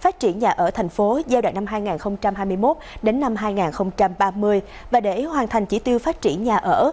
phát triển nhà ở thành phố giai đoạn năm hai nghìn hai mươi một đến năm hai nghìn ba mươi và để hoàn thành chỉ tiêu phát triển nhà ở